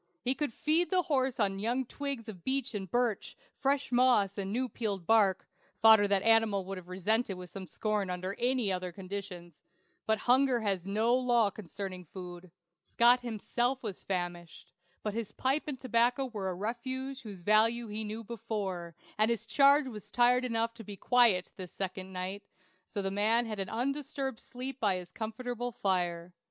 He could feed the horse on young twigs of beech and birch; fresh moss, and new peeled bark (fodder the animal would have resented with scorn under any other conditions); but hunger has no law concerning food. Scott himself was famished; but his pipe and tobacco were a refuge whose value he knew before, and his charge was tired enough to be quiet this second night; so the man had an undisturbed sleep by his comfortable fire.